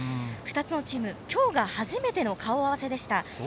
２つのチーム、今日が初めての顔合わせでした。